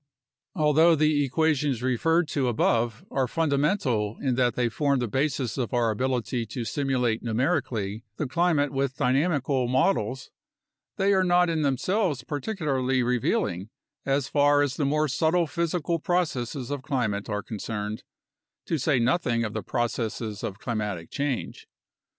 Although the equations referred to above are fundamental in that they form the basis of our ability to simulate numerically the climate with dynamical models, they are not in themselves particularly reveal ing as far as the more subtle physical processes of climate are con cerned, to say nothing of the processes of climatic change.